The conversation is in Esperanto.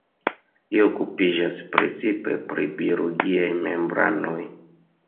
Li okupiĝas precipe pri biologiaj membranoj.